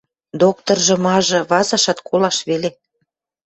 Докторжы-мажы, вазашат, колаш веле...